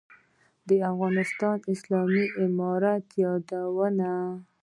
«د افغانستان اسلامي امارت» یادوي.